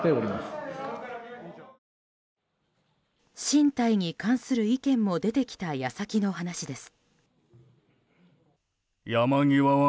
進退に関する意見も出てきた矢先の話です。